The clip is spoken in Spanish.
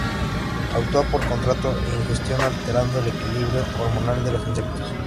Actúa por contacto e ingestión alterando el equilibrio hormonal de los insectos.